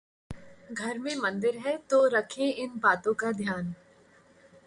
घर में मंदिर है तो रखें इन बातों का ध्यान